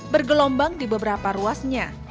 bergelombang di beberapa ruasnya